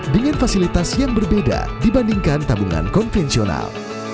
dengan fasilitas yang berbeda dibandingkan tabungan konvensional